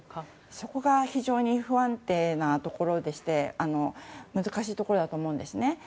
そこが非常に不安定なところでして難しいところだと思います。